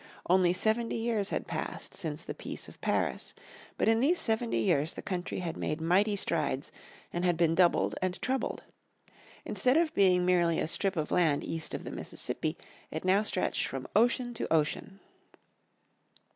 Only seventy years had passed since the Peace of Paris. But in these seventy years the country had made mighty strides and had been doubled and trebled. Instead of being merely a strip of land east of the Mississippi it now stretched from ocean to ocean.